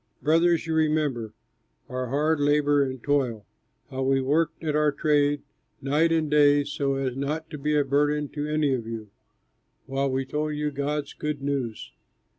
Brothers, you remember our hard labor and toil, how we worked at our trade night and day so as not to be a burden to any of you, while we told you God's good news.